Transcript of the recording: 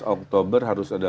lima belas oktober harus ada